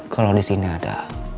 kalau di sini ada